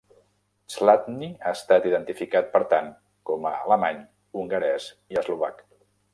Chladni ha estat identificat per tant com a alemany, hongarès i eslovac.